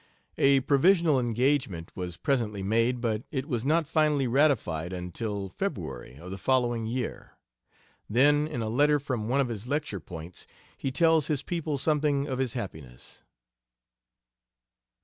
A provisional engagement was presently made, but it was not finally ratified until February of the following year. Then in a letter from one of his lecture points he tells his people something of his happiness.